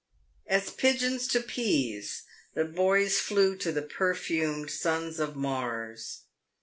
As pigeons to peas, the boys flew to the perfumed sons of Mars.